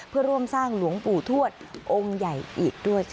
เพื่อร่วมสร้างหลวงปู่ทวดองค์ใหญ่อีกด้วย